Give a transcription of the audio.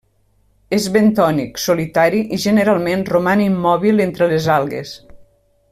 És bentònic, solitari i, generalment, roman immòbil entre les algues.